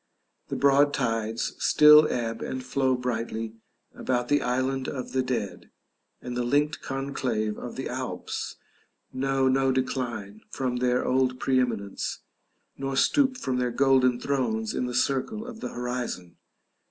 The broad tides still ebb and flow brightly about the island of the dead, and the linked conclave of the Alps know no decline from their old pre eminence, nor stoop from their golden thrones in the circle of the horizon.